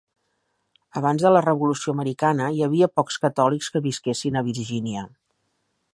Abans de la Revolució Americana, hi havia pocs catòlics que visquessin a Virgínia.